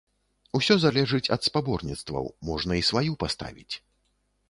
Усё залежыць ад спаборніцтваў, можна і сваю паставіць.